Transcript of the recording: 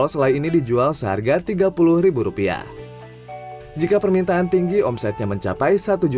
hal ini memberi berkah bagi pelanggan yang berada di dalam kota labuan bajo